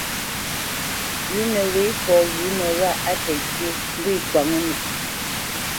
Pʉ̌nə wê fɔ wʉ̌nə wâ á təŋkyé, ŋgwê kwǎŋnə.